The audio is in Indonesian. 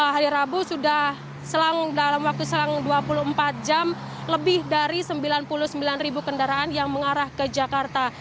hari rabu sudah dalam waktu selang dua puluh empat jam lebih dari sembilan puluh sembilan ribu kendaraan yang mengarah ke jakarta